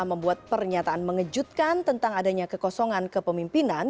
membuat pernyataan mengejutkan tentang adanya kekosongan kepemimpinan